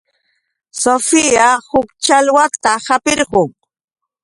Sofía huk challwata hapirqun.